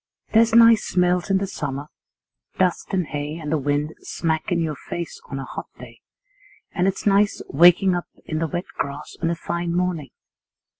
There's nice smells in the summer, dust and hay and the wind smack in your face on a hot day; and it's nice waking up in the wet grass on a fine morning.